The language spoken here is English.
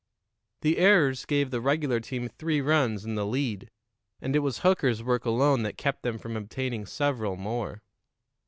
The errors gave the regular team three runs and the lead, and it was Hooker's work alone that kept them from obtaining several more.